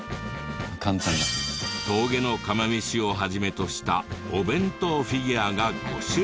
峠の釜めしを始めとしたお弁当フィギュアが５種類。